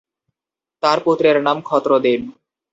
তার পুত্রের নাম ক্ষত্রদেব।